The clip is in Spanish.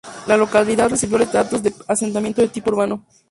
La localidad recibió el estatus de asentamiento de tipo urbano.